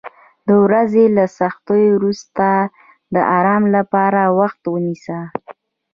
د ورځې له سختیو وروسته د آرام لپاره وخت ونیسه.